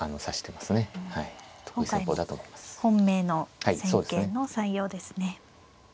今回本命の戦型の採用ですね。